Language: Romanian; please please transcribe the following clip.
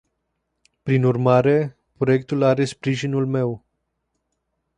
Prin urmare, proiectul are sprijinul meu.